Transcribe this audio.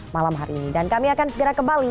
malam hari ini dan kami akan segera kembali